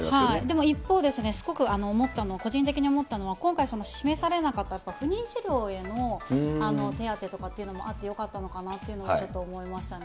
でも一方で、すごく思ったのは、個人的に思ったのは、今回、示されなかった不妊治療への手当とかっていうのもあってよかったのかなとちょっと思いましたね。